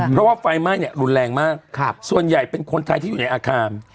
เพราะว่าไฟไหม้เนี่ยรุนแรงมากส่วนใหญ่เป็นคนไทยที่อยู่ในอาคาร